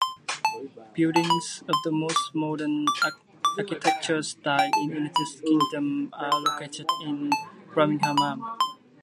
Buildings of most modern architectural styles in the United Kingdom are located in Birmingham.